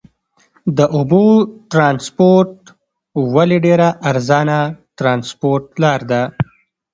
د اوبو ترانسپورت ولې ډېره ارزانه ترانسپورت لار ده؟